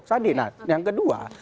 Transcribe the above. sandi nah yang kedua